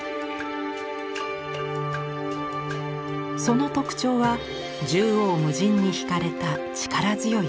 その特徴は縦横無尽に引かれた力強い墨の線。